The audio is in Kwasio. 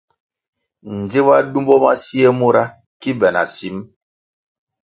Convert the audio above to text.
Ndziba simbo ma sie mura ki be na sīm.